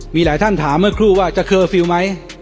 มีหลายท่านถามเมื่อครู่ว่าจะเคอร์ฟิลล์ไหม